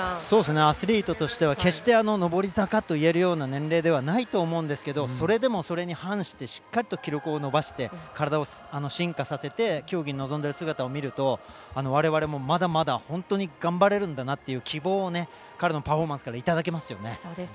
アスリートとしては決して上り坂といえる年齢ではないと思うんですがそれでも、それに反してしっかりと記録を伸ばして体を進化させて競技に臨んでる姿を見るとわれわれも、まだ本当に頑張れるんだなっていう希望を彼のパフォーマンスからいただけますよね。